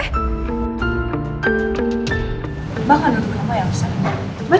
gue gak duduk sama yang selalu